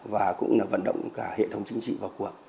và cũng là vận động cả hệ thống chính trị vào cuộc